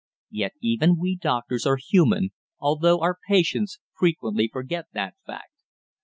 Yet even we doctors are human, although our patients frequently forget that fact.